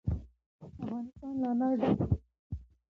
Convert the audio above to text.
افغانستان له انار ډک دی.